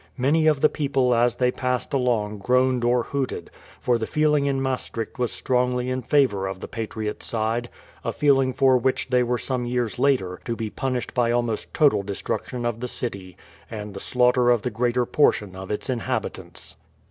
Many of the people as they passed along groaned or hooted, for the feeling in Maastricht was strongly in favour of the patriot side, a feeling for which they were some years later to be punished by almost total destruction of the city, and the slaughter of the greater portion of its inhabitants.